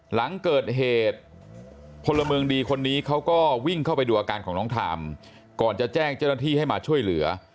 หลังเกิดเหตุพลเมืองดีคนนี้เขาก็วิ่งเข้าไปดูอาการของน้องทามก่อนจะแจ้งเจ้าหน้าที่ให้มาช่วยเหลือ